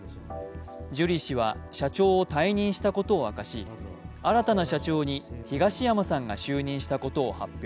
ジュリー氏は社長を退任したことを明かし、新たな社長に東山さんが就任したことを発表。